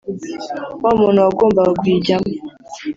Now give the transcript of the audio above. wa muntu wagombaga kuyijyamo